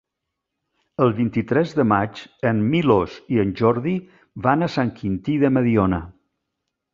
El vint-i-tres de maig en Milos i en Jordi van a Sant Quintí de Mediona.